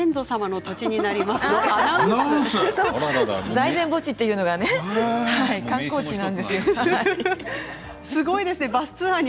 財前墓地というのが観光地なんですよ。